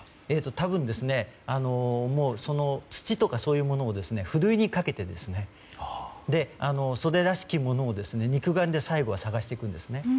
多分土とかそういうものをふるいにかけてそれらしきものを肉眼で最後は探していくんです。